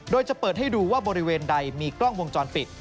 โดยจะเปิดให้ดูว่าบริเวณใดมีกล้องวงจรปิด